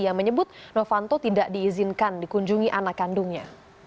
yang menyebut novanto tidak diizinkan dikunjungi anak kandungnya